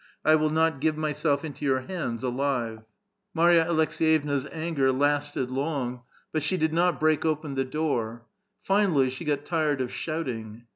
I will not give myself into your bands alive." 80 A VITAL QUESTION. I^Iarva Alcks^yevna's anger lasted long, but she did not break opeu the door ; finally, she got tired of shouting.